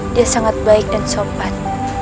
dia sangat baik dan sopan